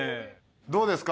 どうですか？